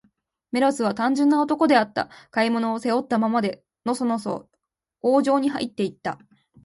メロスは、単純な男であった。買い物を、背負ったままで、のそのそ王城にはいって行った。